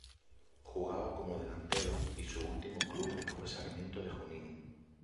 Jugaba como delantero y su último club fue Sarmiento de Junín.